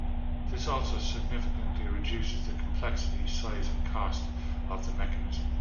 This also significantly reduces the complexity, size, and cost of the mechanism.